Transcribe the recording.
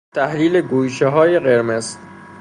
تحلیل گویچه های قرمز